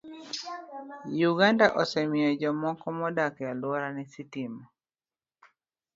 Uganda osemiyo jomoko modak e alworane sitima.